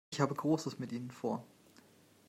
Ich habe Großes mit Ihnen vor.